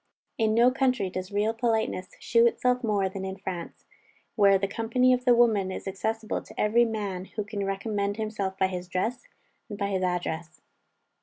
In no country does real politeness shew itself more than in France, where the company of the women is accessible to every man who can recommend himself by his dress, and by his address.